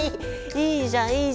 いいじゃんいいじゃん！